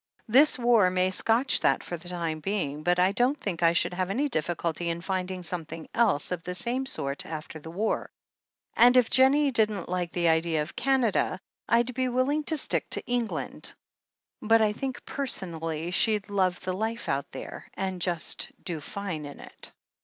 This war may scotch that for the time being, but I don't think I should have any difficulty in finding something else of the same sort after the war. And if Jennie didn't like the idea of Canada, I'd be willing to stick to England; 394 THE HEEL OF ACHILLES but I think personally she'd love the life out there, and just do fine in it."